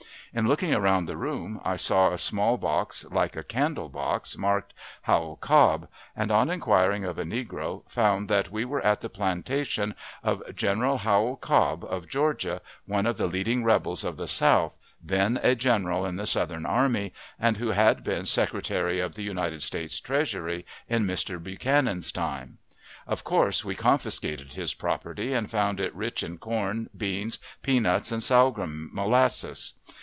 In looking around the room, I saw a small box, like a candle box, marked "Howell Cobb," and, on inquiring of a negro, found that we were at the plantation of General Howell Cobb, of Georgia, one of the leading rebels of the South, then a general in the Southern army, and who had been Secretary of the United States Treasury in Mr. Buchanan's time. Of course, we confiscated his property, and found it rich in corn, beans, pea nuts, and sorghum molasses.